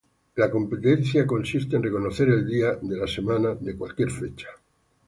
La competencia consiste en reconocer el día de la semana de cualquier fecha.